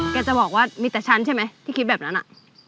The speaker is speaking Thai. จะบอกว่ามีแต่ฉันใช่ไหมที่คิดแบบนั้นอ่ะ